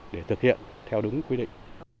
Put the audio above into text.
để thực hiện theo đúng tính